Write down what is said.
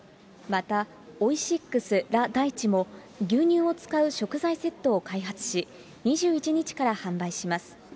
また、オイシックス・ラ・大地も、牛乳を使う食材セットを開発し、２１日から販売します。